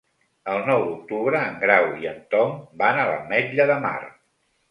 El nou d'octubre en Grau i en Tom van a l'Ametlla de Mar.